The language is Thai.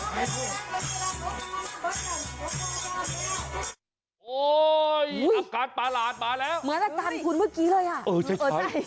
โฮ้ยอาการปลาหลานมาแล้วเหมือนกับทันคุณเมื่อกี้เลย